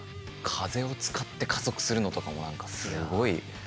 風を使って加速するのとかも何かすごい。